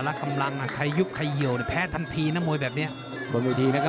รักกำลังใครยุบใครเยี่ยวแพ้ทันทีนะมวยแบบนี้